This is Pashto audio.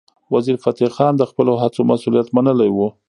وزیرفتح خان د خپلو هڅو مسؤلیت منلی و.